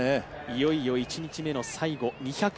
いよいよ１日目の最後、２００ｍ。